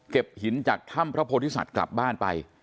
เก็บหินจากถ้ำพระพุทธศัตริย์กลับบ้านไป